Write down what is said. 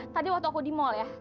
tadi waktu aku di mal ya